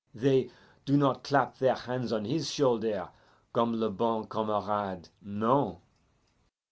They do not clap their hands on his shoulder comme le bon camarade non!